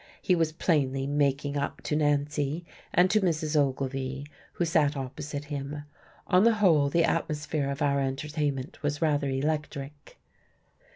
He was plainly "making up" to Nancy, and to Mrs. Ogilvy, who sat opposite him. On the whole, the atmosphere of our entertainment was rather electric.